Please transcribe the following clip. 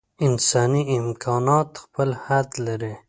انساني امکانات خپل حد لري.